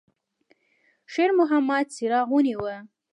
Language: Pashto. شېرمحمد څراغ ونیوه.